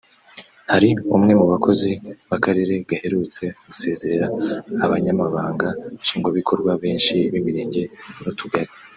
Hari umwe mu bakozi b’akarere gaherutse gusezerera abanyamabanga Nshingwabikorwa benshi b’imirenge n’utugari